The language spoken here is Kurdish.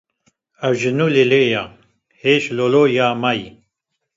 Eva ji nû lê lê ye, hêj lo lo ya meyî